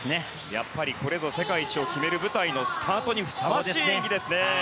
やっぱり、これぞ世界一を決める舞台のスタートにふさわしい演技ですね。